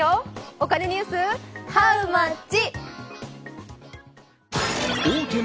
お金ニュース、ハウマッチ！